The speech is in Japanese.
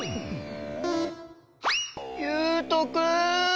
ゆうとくん！